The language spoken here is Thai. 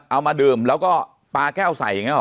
เอามาดื่มแล้วก็ปลาแก้วใส่อย่างนี้หรอ